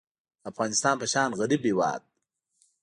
د افغانستان په شان غریب هیواد